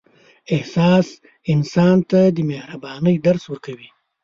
احساس انسان ته د مهربانۍ درس ورکوي.